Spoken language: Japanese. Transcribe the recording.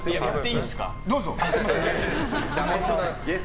どうぞ。